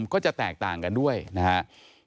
ก็จะแตกต่างกันด้วยนะครับ